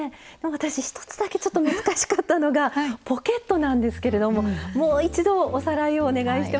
私一つだけちょっと難しかったのがポケットなんですけれどももう一度おさらいをお願いしてもいいですか。